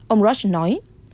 ông roche nói